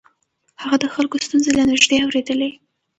هغه د خلکو ستونزې له نږدې اورېدلې.